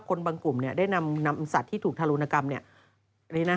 คนบางกลุ่มเนี่ยได้นำสัตว์ที่ถูกธรรมกรรมเนี่ย